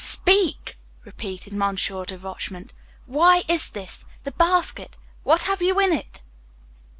"Speak!" repeated Monsieur de Rochemont. "Why is this? The basket what have you in it?"